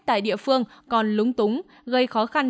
tại địa phương còn lúng túng gây khó khăn